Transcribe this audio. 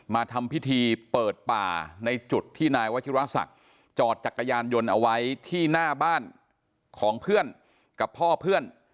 มาทำพิธีเปิดป่าในจุดที่นายวัชิราศักดิ์จอดจักรยานยนต์เอาไว้ที่หน้าบ้านของเพื่อนกับพ่อเพื่อน